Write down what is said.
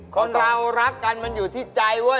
คนเรารักกันมันอยู่ที่ใจเว้ย